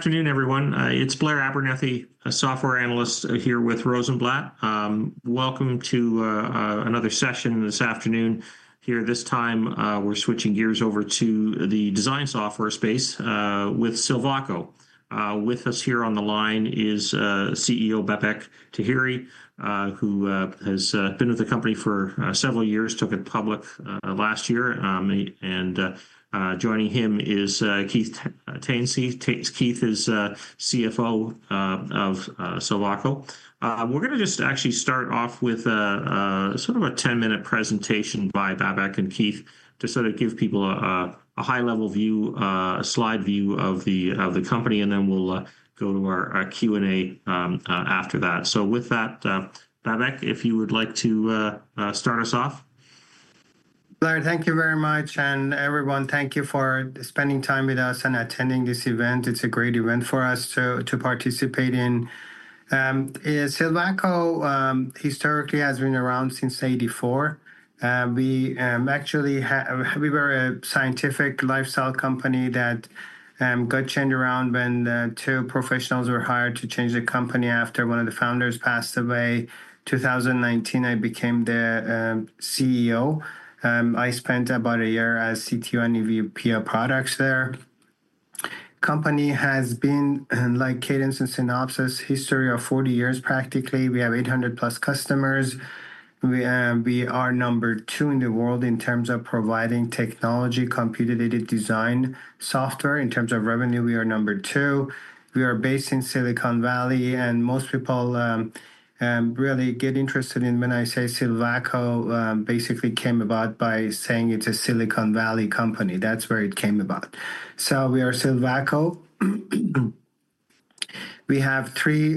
Afternoon, everyone. It's Blair Abernethy, a software analyst here with Rosenblatt. Welcome to another session this afternoon. Here, this time, we're switching gears over to the design software space with Silvaco. With us here on the line is CEO Babak Taheri, who has been with the company for several years, took it public last year. Joining him is Keith Tainsky. Keith is CFO of Silvaco. We're going to just actually start off with sort of a 10-minute presentation by Babak and Keith to sort of give people a high-level view, a slide view of the company, and then we'll go to our Q&A after that. With that, Babak, if you would like to start us off. Blair, thank you very much. Everyone, thank you for spending time with us and attending this event. It is a great event for us to participate in. Silvaco historically has been around since 1984. We actually were a scientific lifestyle company that got changed around when two professionals were hired to change the company after one of the founders passed away. In 2019, I became the CEO. I spent about a year as CTO and EVP of products there. The company has been, like Cadence and Synopsys, a history of 40 years, practically. We have 800-plus customers. We are number two in the world in terms of providing technology, computer-aided design software. In terms of revenue, we are number two. We are based in Silicon Valley. Most people really get interested in when I say Silvaco basically came about by saying it is a Silicon Valley company. That's where it came about. We are Silvaco. We have three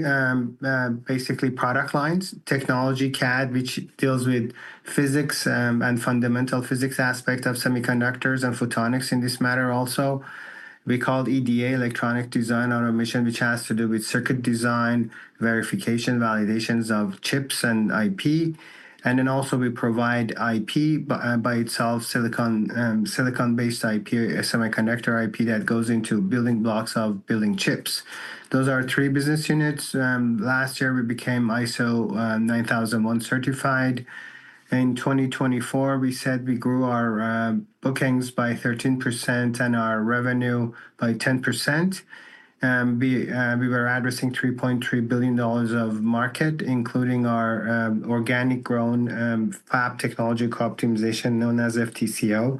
basically product lines: technology CAD, which deals with physics and fundamental physics aspects of semiconductors and photonics in this matter also. We call EDA, Electronic Design Automation, which has to do with circuit design, verification, validations of chips, and IP. Then also, we provide IP by itself, silicon-based IP, semiconductor IP that goes into building blocks of building chips. Those are three business units. Last year, we became ISO 9001 certified. In 2024, we said we grew our bookings by 13% and our revenue by 10%. We were addressing $3.3 billion of market, including our organic grown fab technology optimization, known as FTCO.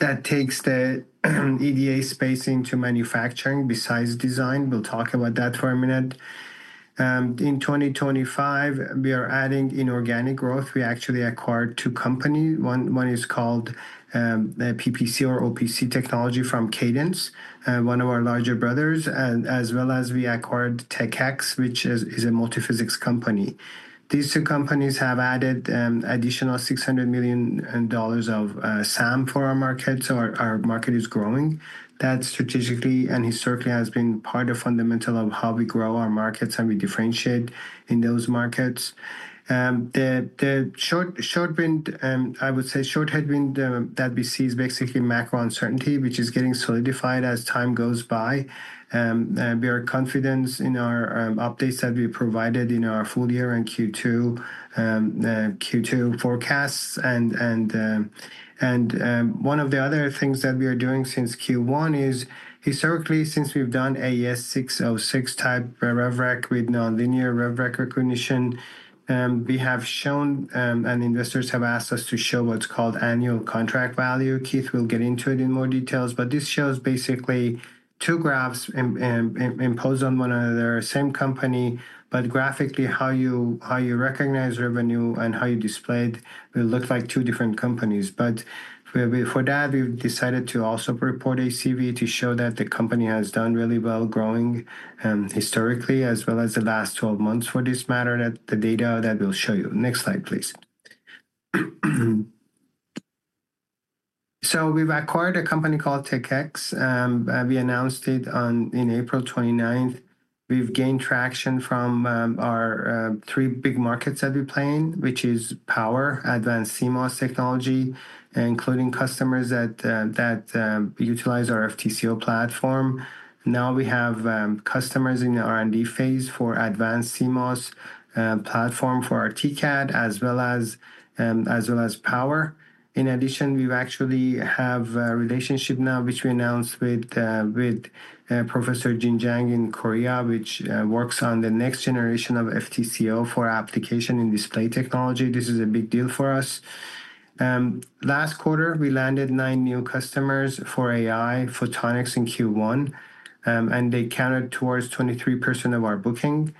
That takes the EDA space into manufacturing besides design. We'll talk about that for a minute. In 2025, we are adding in organic growth. We actually acquired two companies. One is called PPC or OPC technology from Cadence, one of our larger brothers, as well as we acquired Tech-X, which is a multiphysics company. These two companies have added additional $600 million of SAM for our market. Our market is growing. That strategically and historically has been part of fundamental of how we grow our markets and we differentiate in those markets. The short wind, I would say short-haired wind that we see is basically macro uncertainty, which is getting solidified as time goes by. We are confident in our updates that we provided in our full year and Q2 forecasts. One of the other things that we are doing since Q1 is historically, since we've done AES 606 type rev rec with nonlinear rev recognition, we have shown, and investors have asked us to show what's called annual contract value. Keith will get into it in more detail. This shows basically two graphs imposed on one another, same company, but graphically how you recognize revenue and how you display it will look like two different companies. For that, we have decided to also report ACV to show that the company has done really well growing historically, as well as the last 12 months for this matter, the data that we will show you. Next slide, please. We have acquired a company called Tech-X Corporation. We announced it on April 29. We have gained traction from our three big markets that we play, which is power, advanced CMOS technology, including customers that utilize our FTCO platform. Now we have customers in the R&D phase for advanced CMOS platform for our TCAD, as well as power. In addition, we actually have a relationship now, which we announced with Professor Jin Jang in Korea, which works on the next generation of FTCO for application in display technology. This is a big deal for us. Last quarter, we landed nine new customers for AI photonics in Q1, and they counted towards 23% of our booking.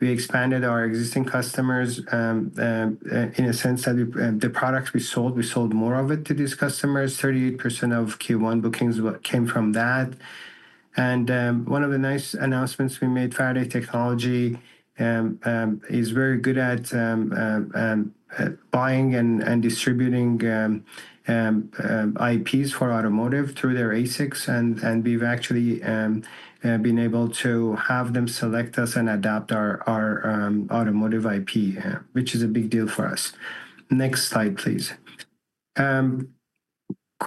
We expanded our existing customers in a sense that the products we sold, we sold more of it to these customers. 38% of Q1 bookings came from that. One of the nice announcements we made, Faraday Technology is very good at buying and distributing IPs for automotive through their ASICs. We have actually been able to have them select us and adopt our automotive IP, which is a big deal for us. Next slide, please.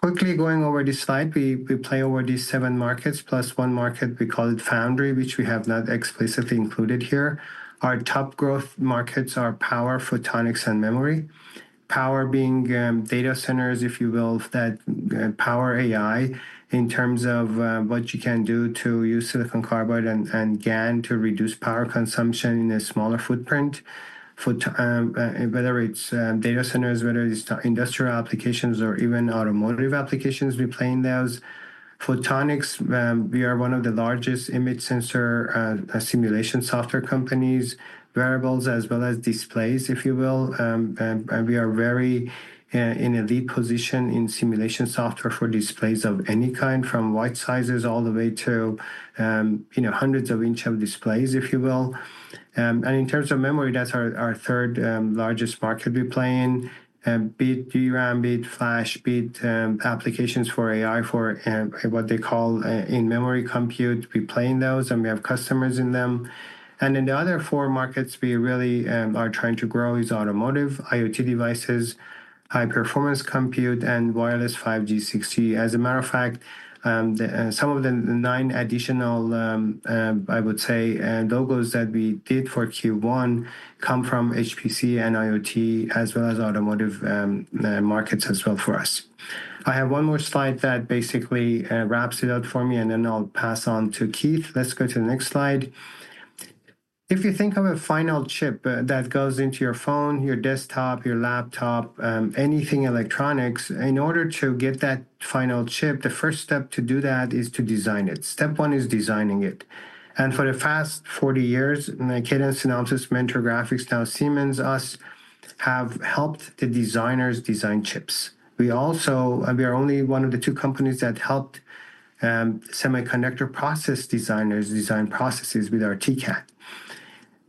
Quickly going over this slide, we play over these seven markets, plus one market we call it Foundry, which we have not explicitly included here. Our top growth markets are power, photonics, and memory. Power being data centers, if you will, that power AI in terms of what you can do to use silicon carbide and GaN to reduce power consumption in a smaller footprint. Whether it is data centers, whether it is industrial applications or even automotive applications, we play in those. Photonics, we are one of the largest image sensor simulation software companies, wearables, as well as displays, if you will. We are very in a lead position in simulation software for displays of any kind, from white sizes all the way to hundreds of inch of displays, if you will. In terms of memory, that is our third largest market we play in. Bit DRAM, bit flash, bit applications for AI for what they call in-memory compute. We play in those, and we have customers in them. The other four markets we really are trying to grow is automotive, IoT devices, high-performance compute, and wireless 5G/6G. As a matter of fact, some of the nine additional, I would say, logos that we did for Q1 come from HPC and IoT, as well as automotive markets as well for us. I have one more slide that basically wraps it up for me, and then I'll pass on to Keith. Let's go to the next slide. If you think of a final chip that goes into your phone, your desktop, your laptop, anything electronics, in order to get that final chip, the first step to do that is to design it. Step one is designing it. For the past 40 years, Cadence, Synopsys, Mentor Graphics, now Siemens, us have helped the designers design chips. We are only one of the two companies that helped semiconductor process designers design processes with our TCAD.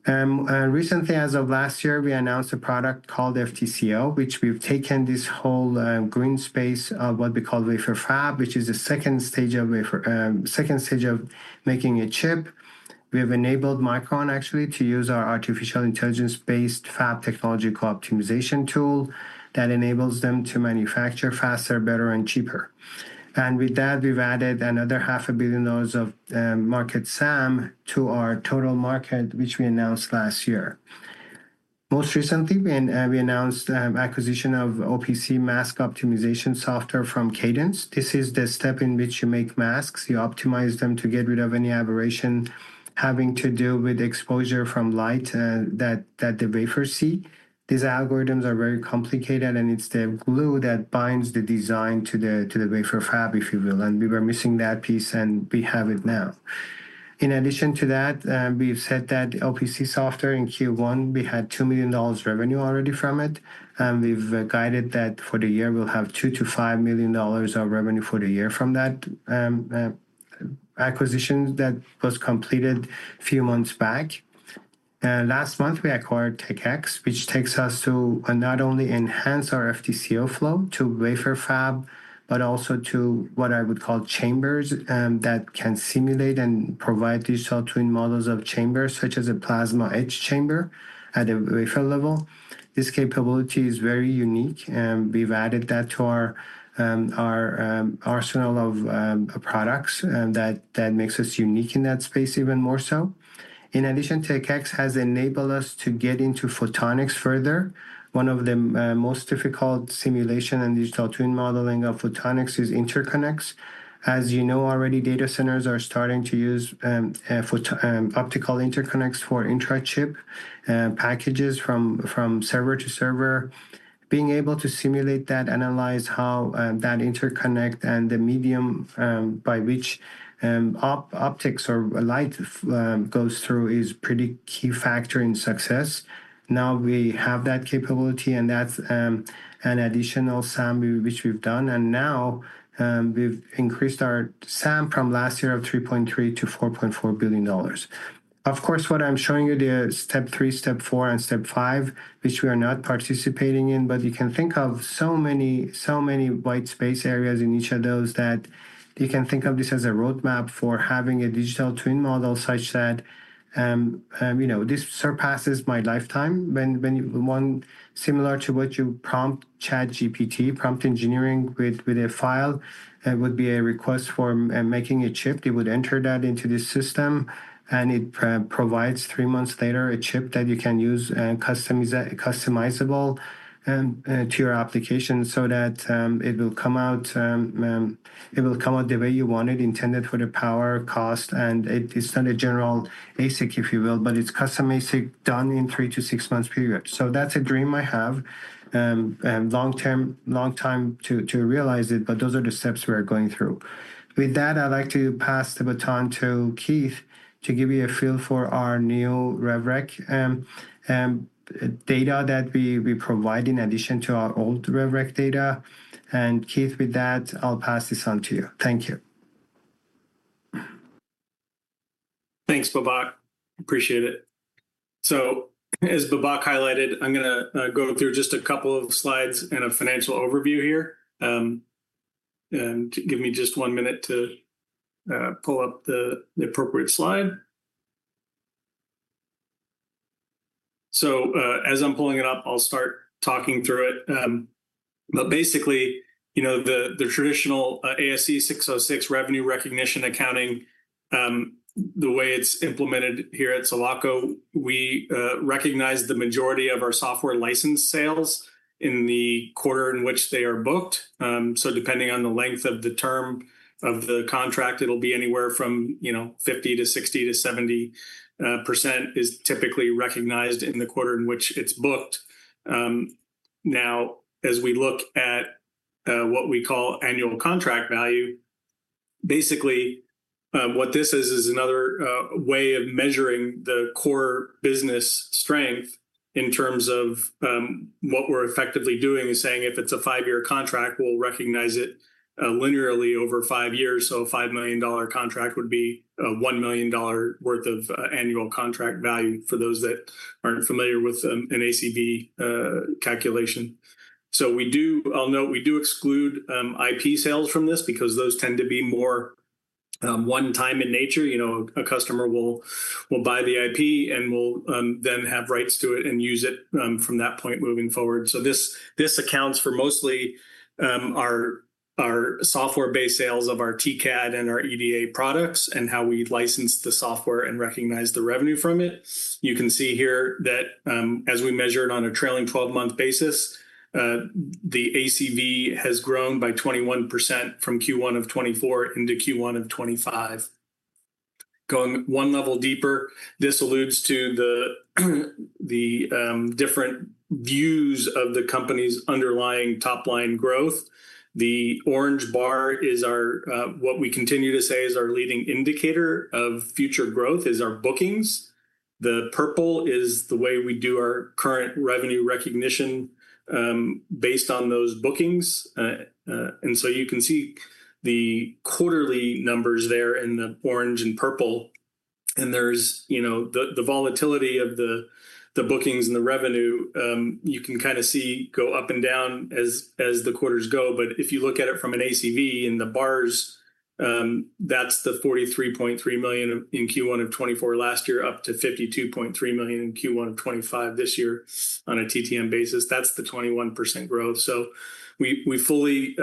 Recently, as of last year, we announced a product called FTCO, which we've taken this whole green space of what we call wafer fab, which is the second stage of making a chip. We have enabled Micron, actually, to use our artificial intelligence-based fab technology co-optimization tool that enables them to manufacture faster, better, and cheaper. With that, we've added another $500,000,000 of market SAM to our total market, which we announced last year. Most recently, we announced acquisition of OPC mask optimization software from Cadence. This is the step in which you make masks. You optimize them to get rid of any aberration having to do with exposure from light that the wafer see. These algorithms are very complicated, and it's the glue that binds the design to the wafer fab, if you will. We were missing that piece, and we have it now. In addition to that, we've said that OPC software in Q1, we had $2 million revenue already from it. We've guided that for the year, we'll have $2-$5 million of revenue for the year from that acquisition that was completed a few months back. Last month, we acquired Tech-X Corporation, which takes us to not only enhance our FTCO flow to wafer fab, but also to what I would call chambers that can simulate and provide these sort of models of chambers, such as a plasma edge chamber at a wafer level. This capability is very unique. We've added that to our arsenal of products that makes us unique in that space even more so. In addition, Tech-X has enabled us to get into photonics further. One of the most difficult simulations and digital twin modeling of photonics is interconnects. As you know already, data centers are starting to use optical interconnects for intra-chip packages from server to server. Being able to simulate that, analyze how that interconnect and the medium by which optics or light goes through is a pretty key factor in success. Now we have that capability, and that's an additional SAM, which we've done. Now we've increased our SAM from last year of $3.3 billion to $4.4 billion. Of course, what I'm showing you, the step three, step four, and step five, which we are not participating in, but you can think of so many white space areas in each of those that you can think of this as a roadmap for having a digital twin model such that this surpasses my lifetime. Similar to what you prompt ChatGPT, prompt engineering with a file would be a request for making a chip. It would enter that into the system, and it provides three months later a chip that you can use customizable to your application so that it will come out the way you want it intended for the power cost. It's not a general ASIC, if you will, but it's custom ASIC done in three to six months period. That's a dream I have, long time to realize it, but those are the steps we're going through. With that, I'd like to pass the baton to Keith to give you a feel for our new rev rec data that we provide in addition to our old rev rec data. Keith, with that, I'll pass this on to you. Thank you. Thanks, Babak. Appreciate it. As Babak highlighted, I'm going to go through just a couple of slides and a financial overview here. Give me just one minute to pull up the appropriate slide. As I'm pulling it up, I'll start talking through it. Basically, the traditional ASC 606 revenue recognition accounting, the way it's implemented here at Silvaco, we recognize the majority of our software license sales in the quarter in which they are booked. Depending on the length of the term of the contract, it'll be anywhere from 50% to 60% to 70% is typically recognized in the quarter in which it's booked. Now, as we look at what we call annual contract value, basically, what this is, is another way of measuring the core business strength in terms of what we're effectively doing is saying if it's a five-year contract, we'll recognize it linearly over five years. A $5 million contract would be a $1 million worth of annual contract value for those that aren't familiar with an ACV calculation. I'll note we do exclude IP sales from this because those tend to be more one-time in nature. A customer will buy the IP and will then have rights to it and use it from that point moving forward. This accounts for mostly our software-based sales of our TCAD and our EDA products and how we license the software and recognize the revenue from it. You can see here that as we measure it on a trailing 12-month basis, the ACV has grown by 21% from Q1 of 2024 into Q1 of 2025. Going one level deeper, this alludes to the different views of the company's underlying top-line growth. The orange bar is what we continue to say is our leading indicator of future growth, is our bookings. The purple is the way we do our current revenue recognition based on those bookings. You can see the quarterly numbers there in the orange and purple. There is the volatility of the bookings and the revenue. You can kind of see go up and down as the quarters go. If you look at it from an ACV in the bars, that's the $43.3 million in Q1 of 2024 last year up to $52.3 million in Q1 of 2025 this year on a TTM basis. That's the 21% growth. We fully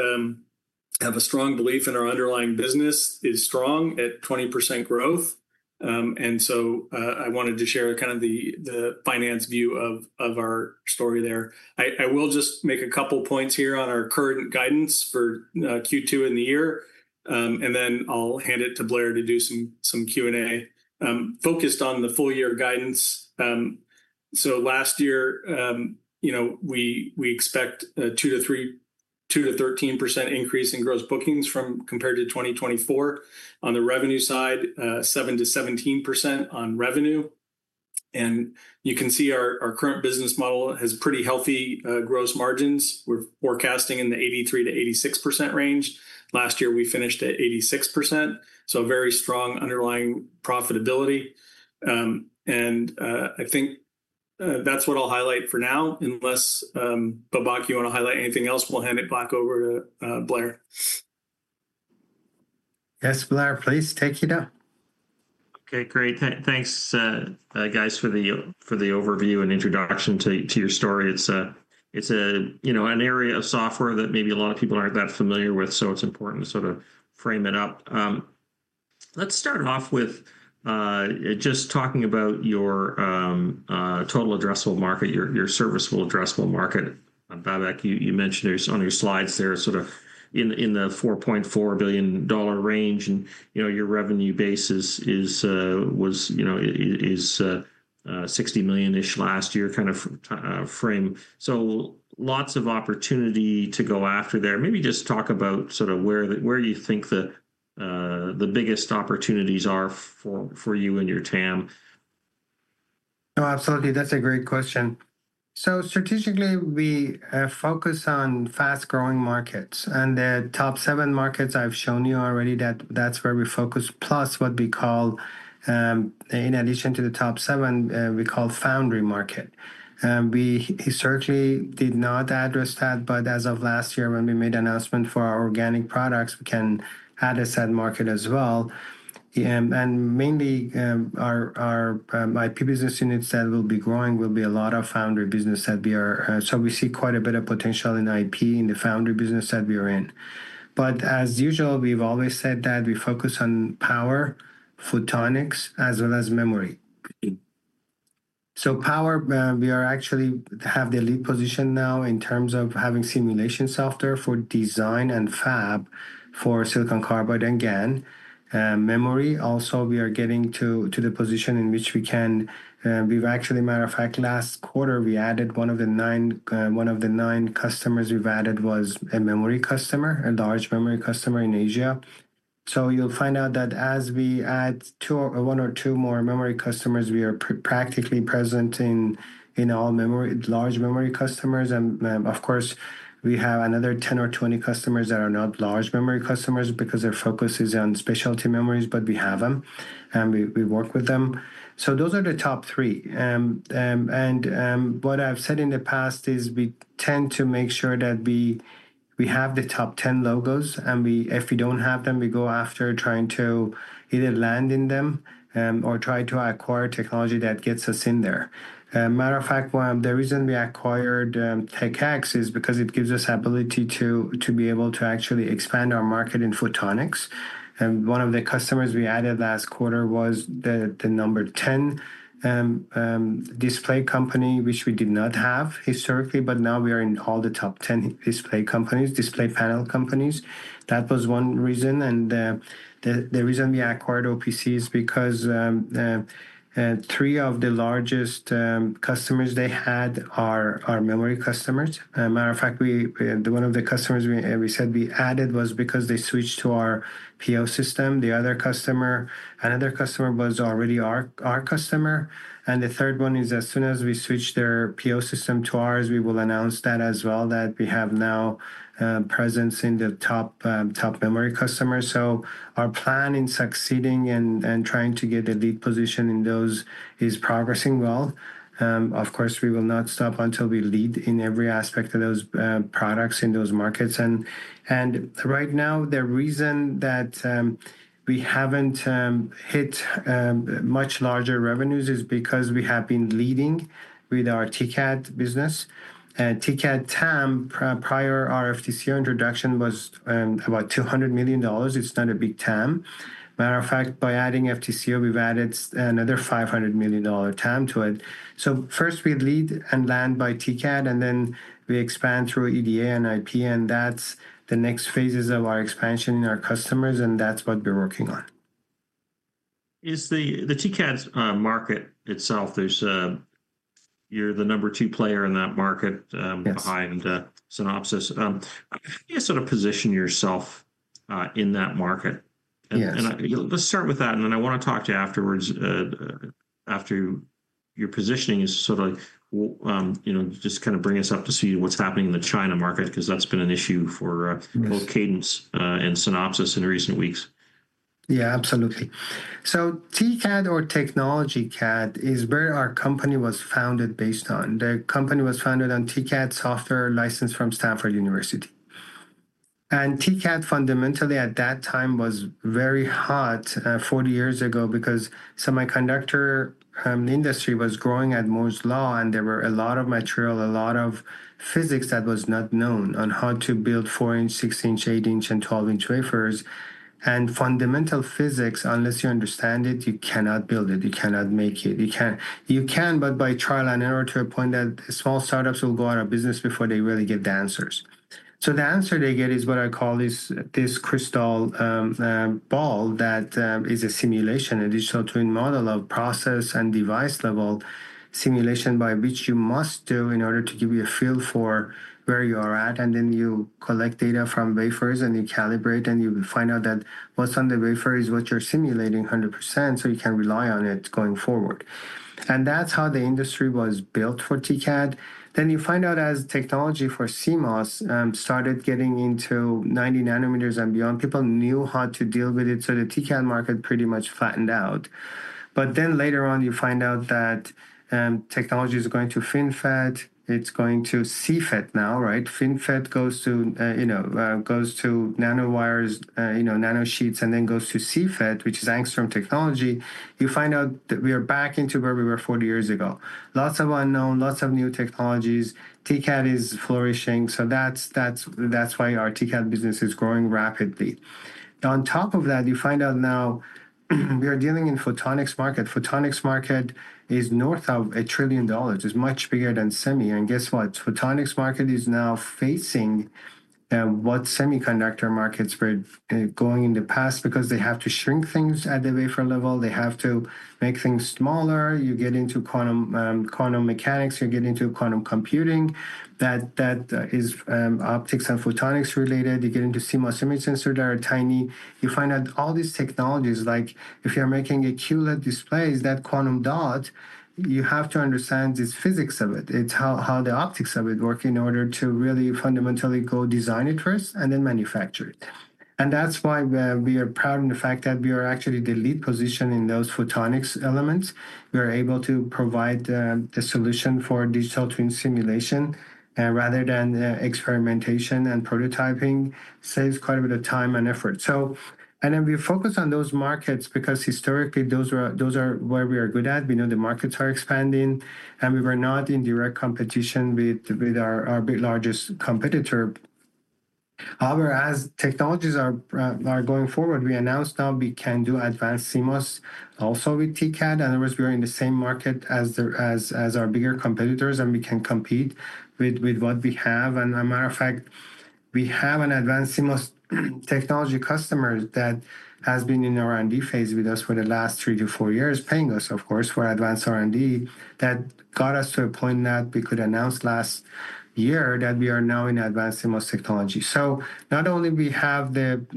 have a strong belief in our underlying business is strong at 20% growth. I wanted to share kind of the finance view of our story there. I will just make a couple of points here on our current guidance for Q2 in the year. I'll hand it to Blair to do some Q&A focused on the full-year guidance. Last year, we expect a 2-13% increase in gross bookings compared to 2024. On the revenue side, 7-17% on revenue. You can see our current business model has pretty healthy gross margins. We're forecasting in the 83-86% range. Last year, we finished at 86%. Very strong underlying profitability. I think that's what I'll highlight for now. Unless, Babak, you want to highlight anything else, we'll hand it back over to Blair. Yes, Blair, please take it up. Okay, great. Thanks, guys, for the overview and introduction to your story. It's an area of software that maybe a lot of people aren't that familiar with, so it's important to sort of frame it up. Let's start off with just talking about your total addressable market, your serviceable addressable market. Babak, you mentioned on your slides there sort of in the $4.4 billion range, and your revenue base was $60 million-ish last year kind of frame. Lots of opportunity to go after there. Maybe just talk about sort of where you think the biggest opportunities are for you and your TAM. Oh, absolutely. That's a great question. Strategically, we focus on fast-growing markets. The top seven markets I've shown you already, that's where we focus, plus what we call, in addition to the top seven, we call foundry market. We historically did not address that, but as of last year, when we made announcement for our organic products, we can add a said market as well. Mainly, our IP business units that will be growing will be a lot of foundry business that we are. We see quite a bit of potential in IP in the foundry business that we are in. As usual, we've always said that we focus on power, photonics, as well as memory. Power, we actually have the lead position now in terms of having simulation software for design and fab for silicon carbide and GaN. Memory, also, we are getting to the position in which we can. We've actually, matter of fact, last quarter, we added one of the nine customers we've added was a memory customer, a large memory customer in Asia. You'll find out that as we add one or two more memory customers, we are practically present in all large memory customers. Of course, we have another 10 or 20 customers that are not large memory customers because their focus is on specialty memories, but we have them, and we work with them. Those are the top three. What I've said in the past is we tend to make sure that we have the top 10 logos. If we do not have them, we go after trying to either land in them or try to acquire technology that gets us in there. Matter of fact, the reason we acquired Tech-X Corporation is because it gives us the ability to be able to actually expand our market in photonics. One of the customers we added last quarter was the number 10 display company, which we did not have historically, but now we are in all the top 10 display companies, display panel companies. That was one reason. The reason we acquired OPC is because three of the largest customers they had are memory customers. Matter of fact, one of the customers we said we added was because they switched to our OPC system. The other customer, another customer was already our customer. The third one is as soon as we switch their PO system to ours, we will announce that as well that we have now presence in the top memory customers. Our plan in succeeding and trying to get a lead position in those is progressing well. Of course, we will not stop until we lead in every aspect of those products in those markets. Right now, the reason that we have not hit much larger revenues is because we have been leading with our TCAD business. TCAD TAM, prior to our FTCO introduction, was about $200 million. It is not a big TAM. Matter of fact, by adding FTCO, we have added another $500 million TAM to it. First, we lead and land by TCAD, and then we expand through EDA and IP. That is the next phases of our expansion in our customers, and that is what we are working on. The TCAD market itself, you're the number two player in that market behind Synopsys. How do you sort of position yourself in that market? Let's start with that, and then I want to talk to you afterwards after your positioning is sort of just kind of bring us up to speed on what's happening in the China market because that's been an issue for both Cadence and Synopsys in recent weeks. Yeah, absolutely. TCAD or Technology CAD is where our company was founded based on. The company was founded on TCAD software licensed from Stanford University. TCAD fundamentally at that time was very hot 40 years ago because semiconductor industry was growing at Moore's Law, and there were a lot of material, a lot of physics that was not known on how to build 4-inch, 6-inch, 8-inch, and 12-inch wafers. Fundamental physics, unless you understand it, you cannot build it. You cannot make it. You can, but by trial and error to a point that small startups will go out of business before they really get the answers. The answer they get is what I call this crystal ball that is a simulation, a digital twin model of process and device-level simulation by which you must do in order to give you a feel for where you are at. You collect data from wafers, and you calibrate, and you find out that what's on the wafer is what you're simulating 100% so you can rely on it going forward. That's how the industry was built for TCAD. You find out as technology for CMOS started getting into 90 nanometers and beyond, people knew how to deal with it. The TCAD market pretty much flattened out. Later on, you find out that technology is going to FinFET. It's going to CFET now, right? FinFET goes to nanowires, nanosheets, and then goes to CFET, which is Angstrom Technology. You find out that we are back into where we were 40 years ago. Lots of unknown, lots of new technologies. TCAD is flourishing. That's why our TCAD business is growing rapidly. On top of that, you find out now we are dealing in photonics market. Photonics market is north of a trillion dollars. It's much bigger than semi. Guess what? Photonics market is now facing what semiconductor markets were going in the past because they have to shrink things at the wafer level. They have to make things smaller. You get into quantum mechanics. You get into quantum computing. That is optics and photonics related. You get into CMOS image sensors that are tiny. You find out all these technologies, like if you're making a QLED display, is that quantum dot? You have to understand this physics of it. It's how the optics of it work in order to really fundamentally go design it first and then manufacture it. That is why we are proud in the fact that we are actually the lead position in those photonics elements. We are able to provide the solution for digital twin simulation rather than experimentation and prototyping. Saves quite a bit of time and effort. We focus on those markets because historically, those are where we are good at. We know the markets are expanding, and we were not in direct competition with our big largest competitor. However, as technologies are going forward, we announced now we can do advanced CMOS also with TCAD. In other words, we are in the same market as our bigger competitors, and we can compete with what we have. Matter of fact, we have an advanced CMOS technology customer that has been in R&D phase with us for the last three to four years, paying us, of course, for advanced R&D that got us to a point that we could announce last year that we are now in advanced CMOS technology. Not only do we have that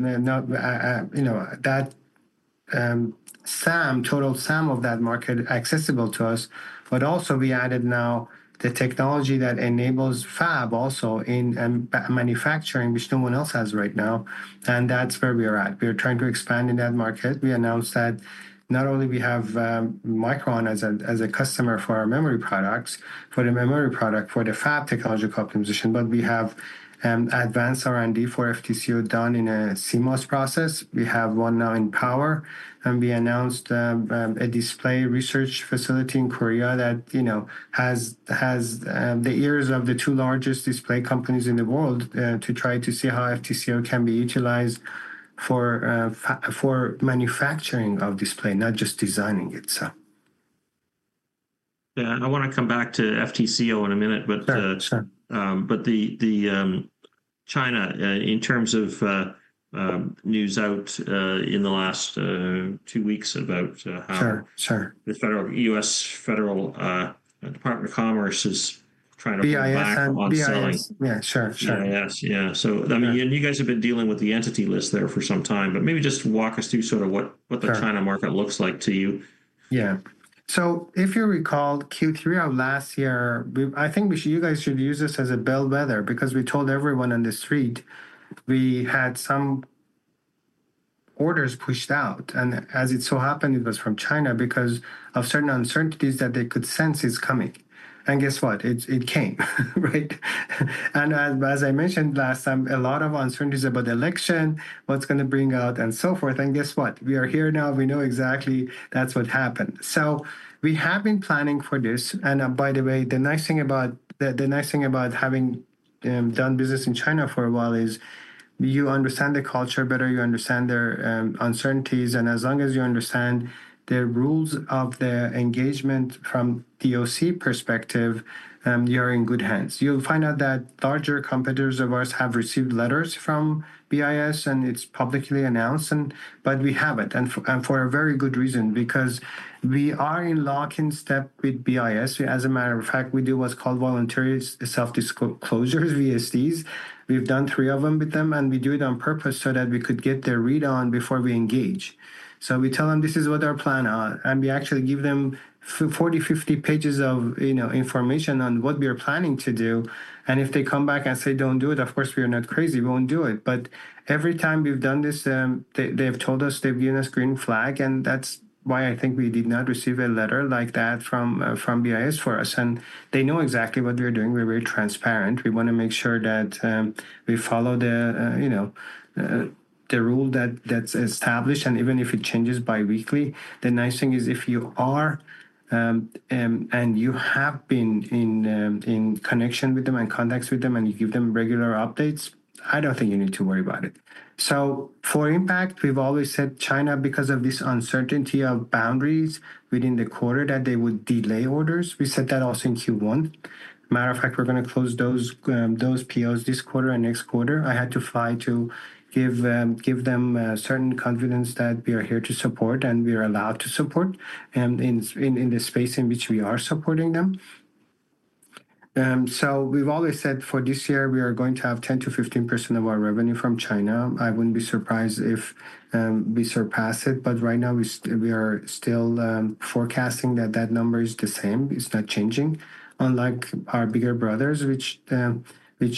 total sum of that market accessible to us, but also we added now the technology that enables fab also in manufacturing, which no one else has right now. That is where we are at. We are trying to expand in that market. We announced that not only do we have Micron as a customer for our memory products, for the memory product, for the fab technology optimization, but we have advanced R&D for FTCO done in a CMOS process. We have one now in power. We announced a display research facility in Korea that has the ears of the two largest display companies in the world to try to see how FTCO can be utilized for manufacturing of display, not just designing it. Yeah, I want to come back to FTCO in a minute, but the China in terms of news out in the last two weeks about how the U.S. Department of Commerce is trying to. BIS and CIS. Y eah, sure. Yeah. I mean, you guys have been dealing with the entity list there for some time, but maybe just walk us through sort of what the China market looks like to you. Yeah. If you recall, Q3 of last year, I think you guys should use this as a bellwether because we told everyone on the street we had some orders pushed out. As it so happened, it was from China because of certain uncertainties that they could sense is coming. Guess what? It came, right? As I mentioned last time, a lot of uncertainties about the election, what's going to bring out and so forth. Guess what? We are here now. We know exactly that's what happened. We have been planning for this. By the way, the nice thing about having done business in China for a while is you understand the culture better. You understand their uncertainties. As long as you understand the rules of the engagement from DOC perspective, you're in good hands. You'll find out that larger competitors of ours have received letters from BIS, and it's publicly announced, but we have not. For a very good reason, we are in lock-in step with BIS. As a matter of fact, we do what's called voluntary self-disclosures, VSDs. We've done three of them with them, and we do it on purpose so that we could get their read on before we engage. We tell them, "This is what our plan." We actually give them 40-50 pages of information on what we are planning to do. If they come back and say, "Don't do it," of course, we are not crazy. We won't do it. Every time we've done this, they've told us they've given us green flag. That is why I think we did not receive a letter like that from BIS for us. They know exactly what we're doing. We're very transparent. We want to make sure that we follow the rule that's established. Even if it changes biweekly, the nice thing is if you are and you have been in connection with them and contacts with them and you give them regular updates, I don't think you need to worry about it. For impact, we've always said China because of this uncertainty of boundaries within the quarter that they would delay orders. We said that also in Q1. Matter of fact, we're going to close those POs this quarter and next quarter. I had to fly to give them certain confidence that we are here to support and we are allowed to support in the space in which we are supporting them. We've always said for this year, we are going to have 10-15% of our revenue from China. I wouldn't be surprised if we surpass it. Right now, we are still forecasting that that number is the same. It's not changing, unlike our bigger brothers, which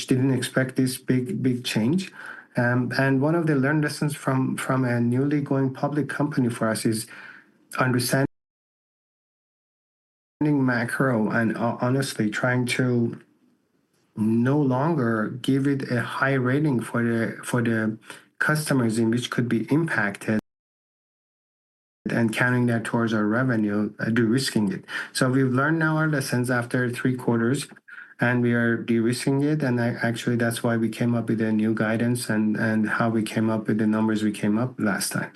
didn't expect this big change. One of the learned lessons from a newly going public company for us is understanding macro and honestly trying to no longer give it a high rating for the customers in which could be impacted and counting that towards our revenue, de-risking it. So we've learned now our lessons after three quarters, and we are de-risking it. Actually, that's why we came up with a new guidance and how we came up with the numbers we came up last time.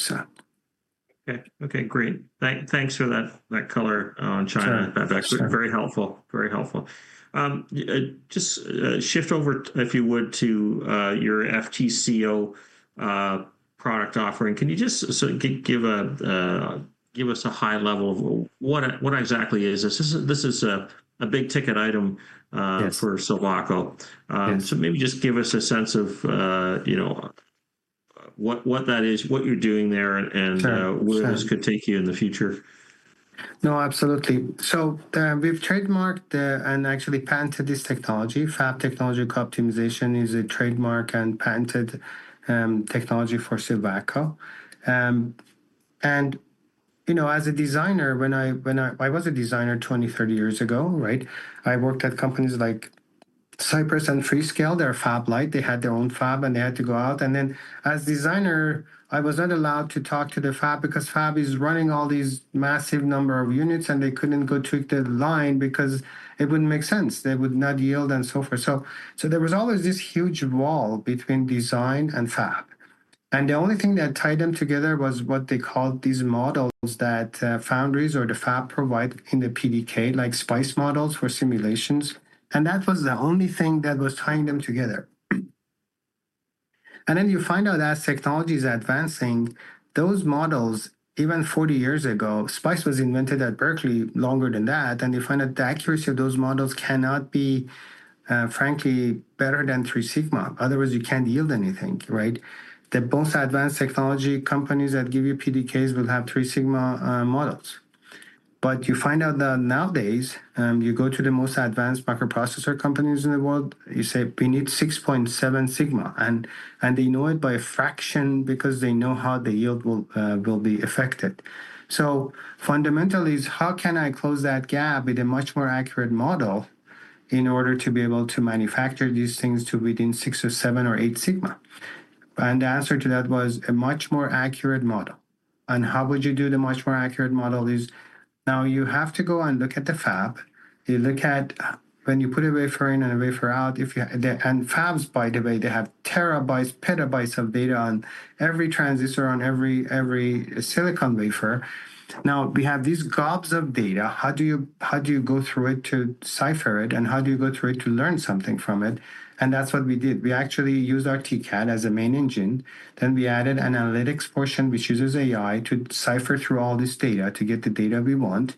Okay. Great. Thanks for that color on China. That's very helpful. Very helpful. Just shift over, if you would, to your FTCO product offering. Can you just give us a high level of what exactly is this? This is a big ticket item for Silvaco. Maybe just give us a sense of what that is, what you're doing there, and where this could take you in the future. No, absolutely. We've trademarked and actually patented this technology. Fab technology optimization is a trademark and patented technology for Silvaco. As a designer, when I was a designer 20, 30 years ago, right, I worked at companies like Cypress and Freescale. They're fab-light. They had their own fab, and they had to go out. As a designer, I was not allowed to talk to the fab because fab is running all these massive number of units, and they could not go to the line because it would not make sense. They would not yield and so forth. There was always this huge wall between design and fab. The only thing that tied them together was what they called these models that foundries or the fab provide in the PDK, like SPICE models for simulations. That was the only thing that was tying them together. You find out as technology is advancing, those models, even 40 years ago, SPICE was invented at Berkeley longer than that. You find that the accuracy of those models cannot be, frankly, better than 3σ. Otherwise, you can't yield anything, right? The most advanced technology companies that give you PDKs will have 3σ models. You find out that nowadays, you go to the most advanced microprocessor companies in the world, you say, "We need 6.7σ." They know it by a fraction because they know how the yield will be affected. Fundamentally, how can I close that gap with a much more accurate model in order to be able to manufacture these things to within 6 or 7 or 8σ? The answer to that was a much more accurate model. How would you do the much more accurate model is now you have to go and look at the fab. You look at when you put a wafer in and a wafer out. Fabs, by the way, they have terabytes, petabytes of data on every transistor, on every silicon wafer. Now, we have these gobs of data. How do you go through it to cipher it? How do you go through it to learn something from it? That is what we did. We actually used our TCAD as a main engine. Then we added an analytics portion, which uses AI to cipher through all this data to get the data we want.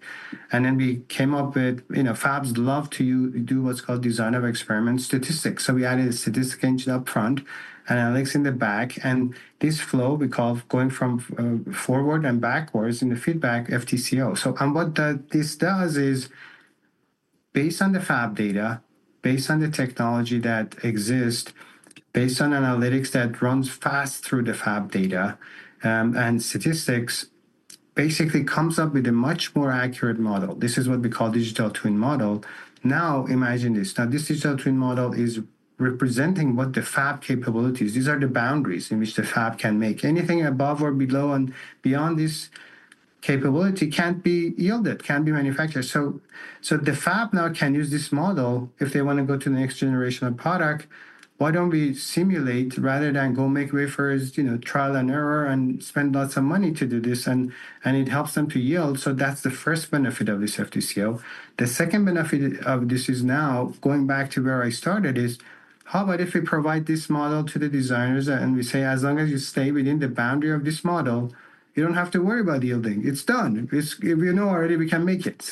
We came up with fabs love to do what is called design of experiment statistics. We added a statistical engine upfront, analytics in the back. This flow we call going from forward and backwards in the feedback FTCO. What this does is based on the fab data, based on the technology that exists, based on analytics that runs fast through the fab data and statistics, basically comes up with a much more accurate model. This is what we call digital twin model. Now, imagine this. Now, this digital twin model is representing what the fab capability is. These are the boundaries in which the fab can make. Anything above or below and beyond this capability can't be yielded, can't be manufactured. The fab now can use this model if they want to go to the next generation of product. Why don't we simulate rather than go make wafers, trial and error, and spend lots of money to do this? It helps them to yield. That's the first benefit of this FTCO. The second benefit of this is now going back to where I started is how about if we provide this model to the designers and we say, "As long as you stay within the boundary of this model, you don't have to worry about yielding. It's done. We know already we can make it."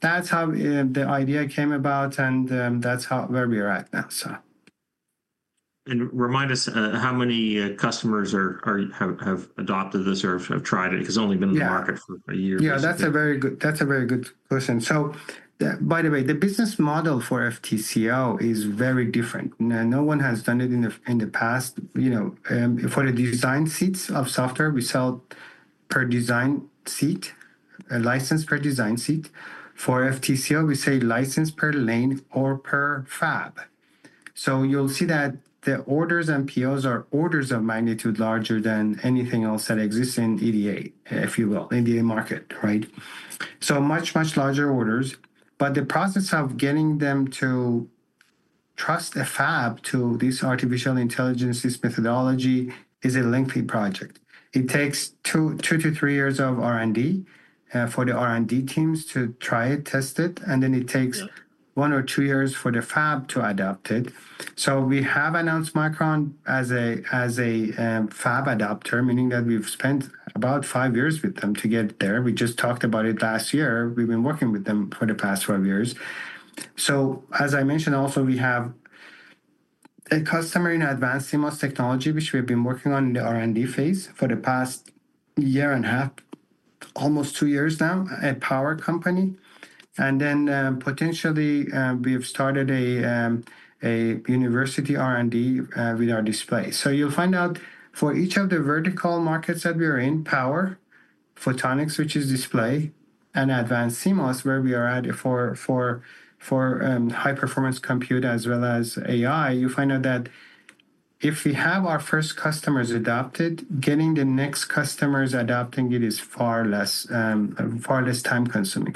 That's how the idea came about, and that's where we are at now. Remind us how many customers have adopted this or have tried it because it's only been in the market for a year. Yeah, that's a very good question. By the way, the business model for FTCO is very different. No one has done it in the past. For the design seats of software, we sell per design seat, a license per design seat. For FTCO, we say license per lane or per fab. You'll see that the orders and POs are orders of magnitude larger than anything else that exists in EDA, if you will, in the market, right? Much, much larger orders. The process of getting them to trust a fab to this artificial intelligence, this methodology is a lengthy project. It takes two to three years of R&D for the R&D teams to try it, test it. It takes one or two years for the fab to adopt it. We have announced Micron as a fab adopter, meaning that we've spent about five years with them to get there. We just talked about it last year. We've been working with them for the past five years. As I mentioned, also we have a customer in advanced CMOS technology, which we have been working on in the R&D phase for the past year and a half, almost two years now, a power company. Potentially we have started a university R&D with our display. You'll find out for each of the vertical markets that we are in, power, photonics, which is display, and advanced CMOS, where we are at for high-performance compute as well as AI, you find out that if we have our first customers adopted, getting the next customers adopting it is far less time-consuming.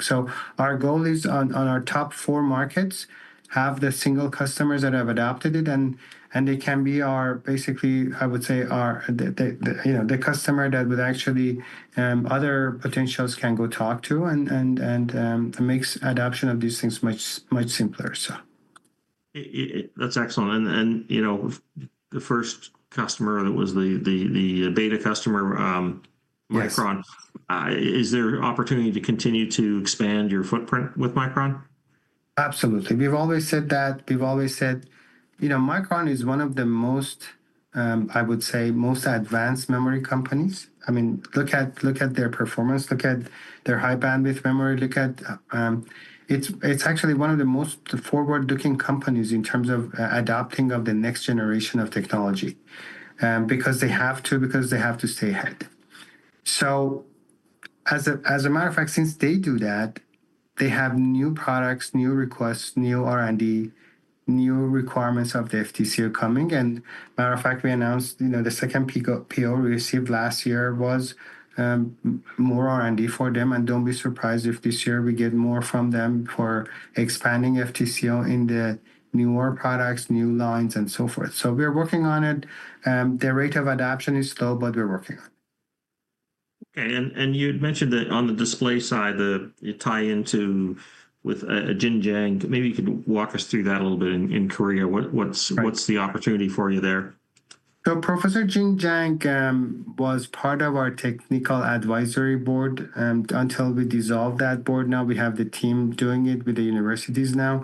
Our goal is on our top four markets, have the single customers that have adopted it. They can be our, basically, I would say, the customer that would actually other potentials can go talk to and makes adoption of these things much simpler. That's excellent. The first customer that was the beta customer, Micron, is there an opportunity to continue to expand your footprint with Micron? Absolutely. We've always said that. We've always said Micron is one of the most, I would say, most advanced memory companies. I mean, look at their performance, look at their high bandwidth memory. It's actually one of the most forward-looking companies in terms of adopting of the next generation of technology because they have to, because they have to stay ahead. As a matter of fact, since they do that, they have new products, new requests, new R&D, new requirements of the FTCO coming. As a matter of fact, we announced the second PO we received last year was more R&D for them. Do not be surprised if this year we get more from them for expanding FTCO in the newer products, new lines, and so forth. We're working on it. The rate of adoption is slow, but we're working on it. Okay. You had mentioned that on the display side, you tie into with Jin Jang. Maybe you could walk us through that a little bit in Korea. What's the opportunity for you there? Professor Jin Jang was part of our technical advisory board until we dissolved that board. Now we have the team doing it with the universities now.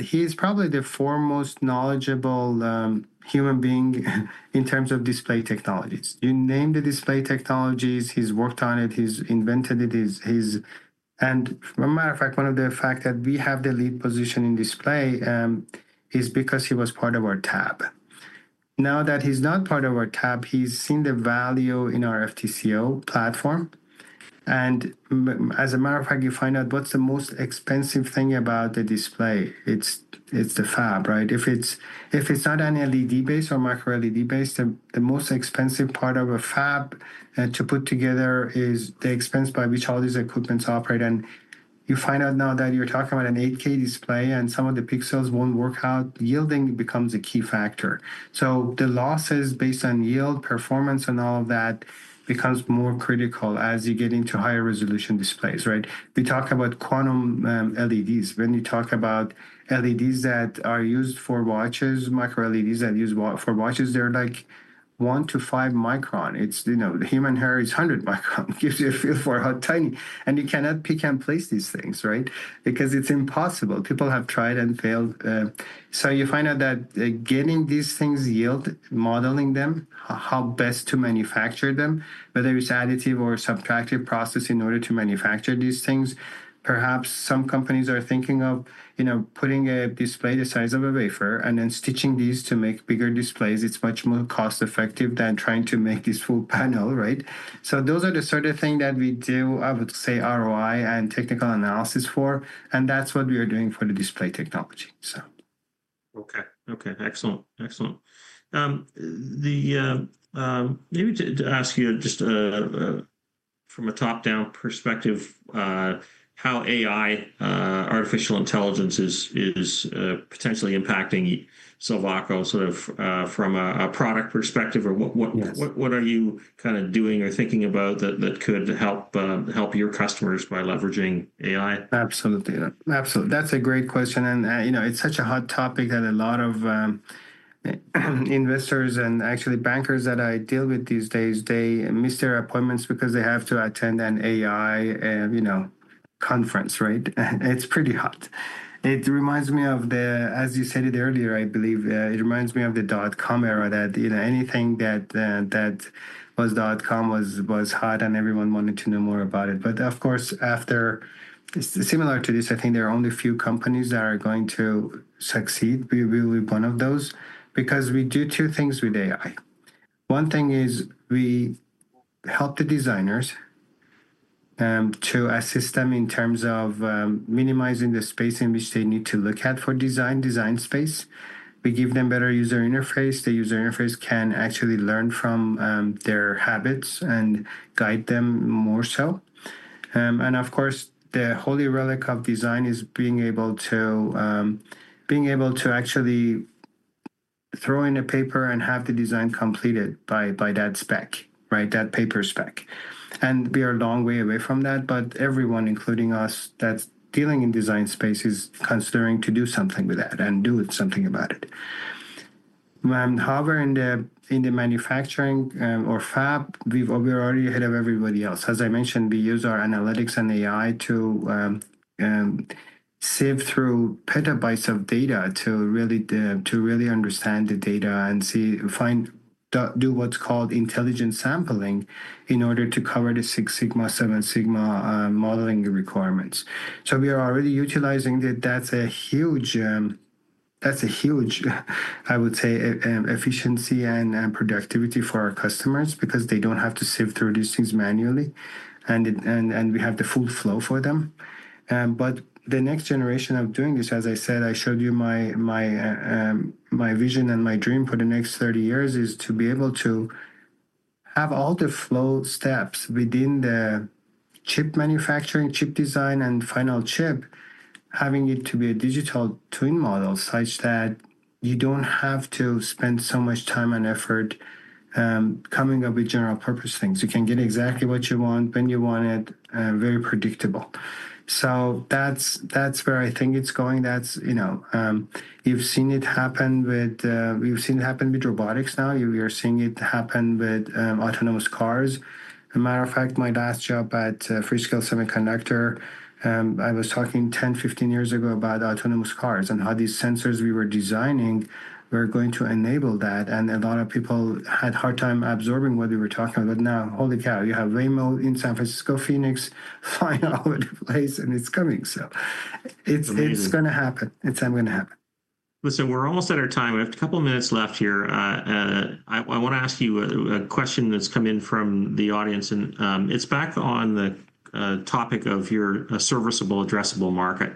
He is probably the foremost knowledgeable human being in terms of display technologies. You name the display technologies, he's worked on it, he's invented it. As a matter of fact, one of the facts that we have the lead position in display is because he was part of our tab. Now that he's not part of our tab, he's seen the value in our FTCO platform. As a matter of fact, you find out what's the most expensive thing about the display. It's the fab, right? If it's not an LED-based or micro-LED-based, the most expensive part of a fab to put together is the expense by which all these equipments operate. You find out now that you're talking about an 8K display and some of the pixels won't work out, yielding becomes a key factor. The losses based on yield, performance, and all of that becomes more critical as you get into higher resolution displays, right? We talk about quantum LEDs. When you talk about LEDs that are used for watches, micro-LEDs that are used for watches, they're like 1-5 micron. The human hair is 100 micron. It gives you a feel for how tiny. You cannot pick and place these things, right? Because it's impossible. People have tried and failed. You find out that getting these things yield, modeling them, how best to manufacture them, whether it's additive or subtractive process in order to manufacture these things. Perhaps some companies are thinking of putting a display the size of a wafer and then stitching these to make bigger displays. It's much more cost-effective than trying to make this full panel, right? Those are the sort of thing that we do, I would say, ROI and technical analysis for. That's what we are doing for the display technology. Okay. Okay. Excellent. Excellent. Maybe to ask you just from a top-down perspective, how AI, artificial intelligence, is potentially impacting Silvaco sort of from a product perspective? What are you kind of doing or thinking about that could help your customers by leveraging AI? Absolutely. Absolutely. That's a great question. It is such a hot topic that a lot of investors and actually bankers that I deal with these days, they miss their appointments because they have to attend an AI conference, right? It is pretty hot. It reminds me of the, as you said it earlier, I believe, it reminds me of the dot-com era that anything that was dot-com was hot and everyone wanted to know more about it. Of course, after similar to this, I think there are only a few companies that are going to succeed. We will be one of those because we do two things with AI. One thing is we help the designers to assist them in terms of minimizing the space in which they need to look at for design, design space. We give them better user interface. The user interface can actually learn from their habits and guide them more so. Of course, the holy relic of design is being able to actually throw in a paper and have the design completed by that spec, right? That paper spec. We are a long way away from that, but everyone, including us that's dealing in design space, is considering to do something with that and do something about it. However, in the manufacturing or fab, we're already ahead of everybody else. As I mentioned, we use our analytics and AI to sift through petabytes of data to really understand the data and find, do what's called intelligent sampling in order to cover the 6σ, 7σ modeling requirements. We are already utilizing it. That's a huge, I would say, efficiency and productivity for our customers because they don't have to sift through these things manually. We have the full flow for them. The next generation of doing this, as I said, I showed you my vision and my dream for the next 30 years is to be able to have all the flow steps within the chip manufacturing, chip design, and final chip, having it to be a digital twin model such that you do not have to spend so much time and effort coming up with general-purpose things. You can get exactly what you want, when you want it, very predictable. That is where I think it is going. You have seen it happen with, you have seen it happen with robotics now. We are seeing it happen with autonomous cars. As a matter of fact, my last job at Freescale Semiconductor, I was talking 10, 15 years ago about autonomous cars and how these sensors we were designing were going to enable that. A lot of people had a hard time absorbing what we were talking about. Now, holy cow, you have Waymo in San Francisco, Phoenix, flying all over the place, and it is coming. It is going to happen. It is going to happen. Listen, we are almost at our time. We have a couple of minutes left here. I want to ask you a question that has come in from the audience. It is back on the topic of your serviceable, addressable market.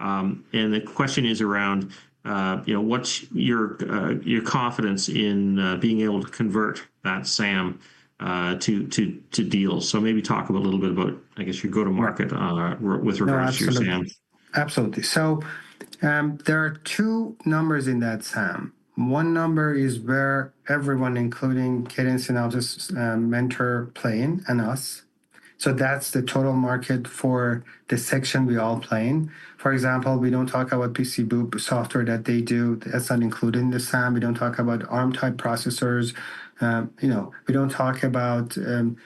The question is around what is your confidence in being able to convert that SAM to deals. Maybe talk a little bit about, I guess, your go-to-market with regards to your SAM. Absolutely. There are two numbers in that SAM. One number is where everyone, including Mentor Graphics, playing and us. That is the total market for the section we all play in. For example, we don't talk about PC boot software that they do. That's not included in the SAM. We don't talk about ARM-type processors. We don't talk about having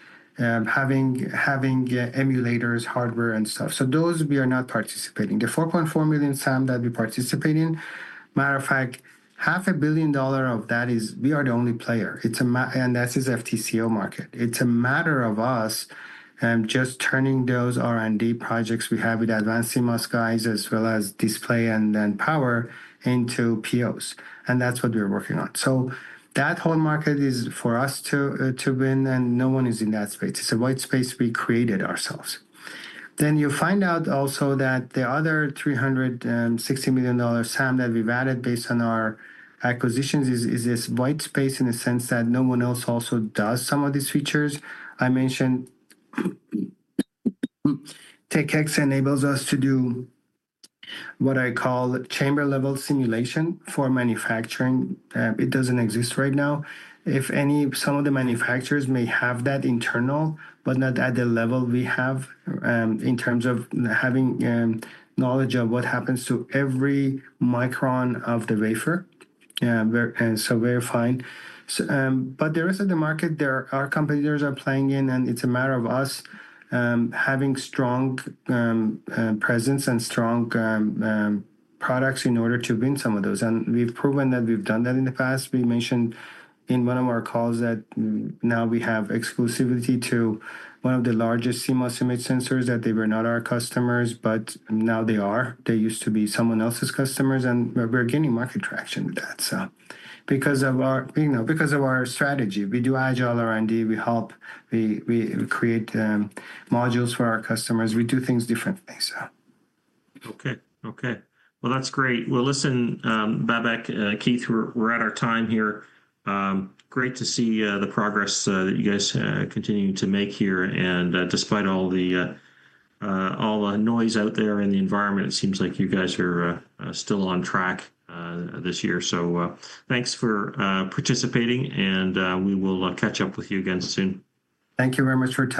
emulators, hardware, and stuff. Those, we are not participating. The $4.4 million SAM that we participate in, matter of fact, $500 million of that is we are the only player. That's his FTCO market. It's a matter of us just turning those R&D projects we have with advanced CMOS guys as well as display and then power into POs. That's what we're working on. That whole market is for us to win, and no one is in that space. It's a white space we created ourselves. You find out also that the other $360 million SAM that we've added based on our acquisitions is this white space in the sense that no one else also does some of these features. I mentioned Tech-X enables us to do what I call chamber-level simulation for manufacturing. It does not exist right now. If any, some of the manufacturers may have that internal, but not at the level we have in terms of having knowledge of what happens to every micron of the wafer. Very fine. The rest of the market, there are competitors are playing in, and it is a matter of us having strong presence and strong products in order to win some of those. We have proven that we have done that in the past. We mentioned in one of our calls that now we have exclusivity to one of the largest CMOS image sensors that they were not our customers, but now they are. They used to be someone else's customers. We are gaining market traction with that. Because of our strategy, we do agile R&D. We help create modules for our customers. We do things differently. Okay. Okay. That is great. Listen, Babak, Keith, we are at our time here. Great to see the progress that you guys continue to make here. Despite all the noise out there in the environment, it seems like you guys are still on track this year. Thanks for participating, and we will catch up with you again soon. Thank you very much, George.